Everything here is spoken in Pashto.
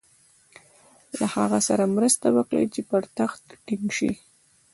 له هغه سره مرسته وکړي چې پر تخت ټینګ شي.